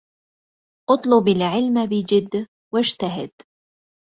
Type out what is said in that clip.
اطلب العلم بجد واجتهد